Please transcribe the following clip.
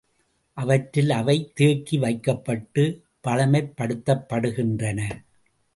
அவற்றில் அவை தேக்கி வைக்கப்பட்டுப் பழமைப்படுத்தப்படுகின்றன.